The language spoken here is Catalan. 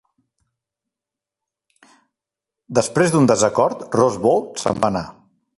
Després d'un desacord, Rosbaud se'n va anar.